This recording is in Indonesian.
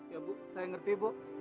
ya bu saya ngerti bu